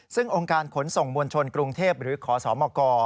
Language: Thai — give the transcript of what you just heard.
ซึ่งองค์การขนส่งมวลชนกรุงเทพหรือขอสมก